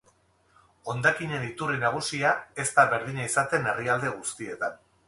Hondakinen iturri nagusia ez da berdina izaten herrialde guztietan.